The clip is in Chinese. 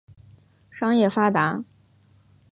商业发达。